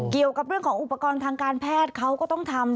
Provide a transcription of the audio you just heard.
เกี่ยวกับเรื่องของอุปกรณ์ทางการแพทย์เขาก็ต้องทำ